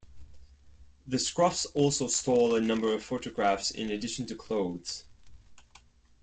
The scruffs also stole a number of photographs in addition to clothes.